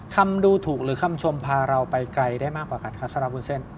คำดูถูกหรือคำชมพาเราไปไกลได้มากกว่ากันคะสำหรับวุ้นเส้น